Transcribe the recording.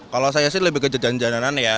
kalau saya sih lebih ke jajanan jajanan ya